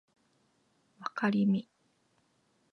わかりみ